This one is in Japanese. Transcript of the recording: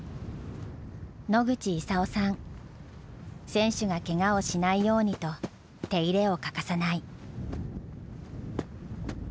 選手がケガをしないようにと手入れを欠かさない。